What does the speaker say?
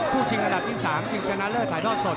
ชิงอันดับที่๓ชิงชนะเลิศถ่ายทอดสด